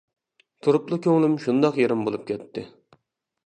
تۇرۇپلا كۆڭلۈم شۇنداق يېرىم بولۇپ كەتتى.